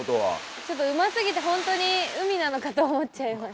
ちょっとうますぎてホントに海なのかと思っちゃいました。